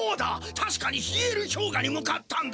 たしかにヒエールひょうがに向かったんだ。